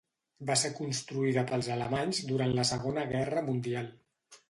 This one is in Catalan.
Va ser construïda pels alemanys durant la Segona Guerra Mundial.